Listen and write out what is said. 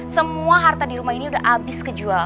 semua harta di rumah ini udah habis kejual